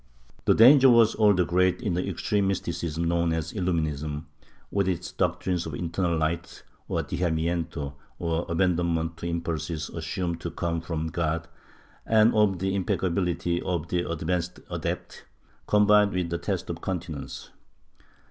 The danger was all the greater in the extreme mysticism known as Illuminism, with its doctrines of internal light, of Dejamiento, or abandonment to impulses assumed to come from God, and of the impeccability of the advanced adept, combined with the test of continence.